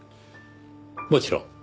もちろん。